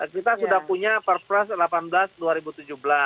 kita sudah punya perpres delapan belas dua ribu tujuh belas